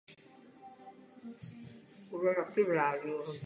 Pocházel z ruské rolnické rodiny na dalekém severu.